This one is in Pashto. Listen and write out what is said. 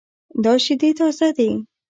دا شیدې تازه دي